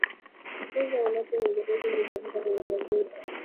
kumbukumbu za mwanamke mwingereza zilizochapishwa kwenye magazeti